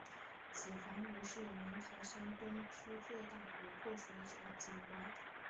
子房湖是云台山东区最大的湖泊水体景观。